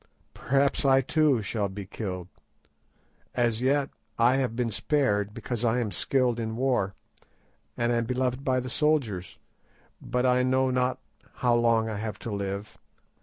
Perhaps I too shall be killed. As yet I have been spared because I am skilled in war, and am beloved by the soldiers; but I know not how long I have to live.